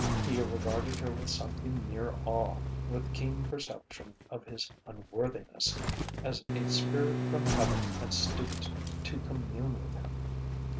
He regarded her with something near awe, with keen perception of his unworthiness: as a spirit from Heaven had stooped to commune with him.